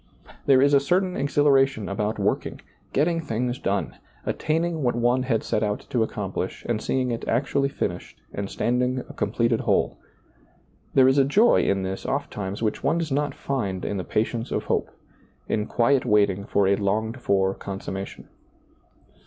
There is a certain exhilaration about working, getting things done, attaining what one had set out to accomplish and seeing it actually finished and standing a completed whole. There is a joy in this ofttimes which one does not find in the patience of hope, in quiet waiting for a longed for consummation.